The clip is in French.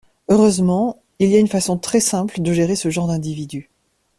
Heureusement, il y a une façon très simple de gérer ce genre d’individus.